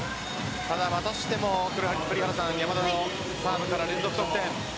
ただ、またしても山田のサーブから連続得点。